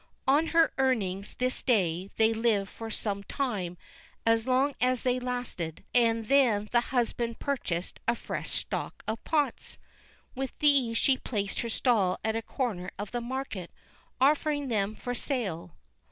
On her earnings this day, they lived for some time as long as they lasted; and then the husband purchased a fresh stock of pots. With these she placed her stall at a corner of the market, offering them for sale.